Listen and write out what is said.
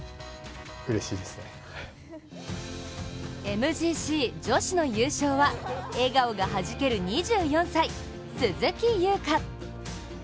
ＭＧＣ、女子の優勝は笑顔がはじける２４歳、鈴木優花。